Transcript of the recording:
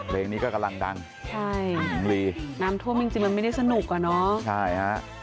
เพลงนี้ก็กำลังดังใช่หนองลีน้ำท่วมจริงจริงมันไม่ได้สนุกอ่ะเนอะใช่ฮะ